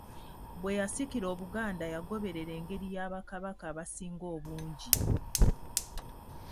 Bwe yasikira Obuganda yagoberera engeri ya Bakabaka abasinga obungi.